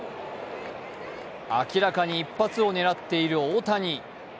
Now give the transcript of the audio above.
明らかに一発を狙っている大谷。